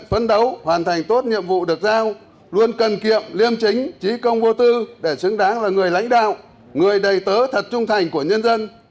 phấn đấu hoàn thành tốt nhiệm vụ được giao luôn cần kiệm liêm chính trí công vô tư để xứng đáng là người lãnh đạo người đầy tớ thật trung thành của nhân dân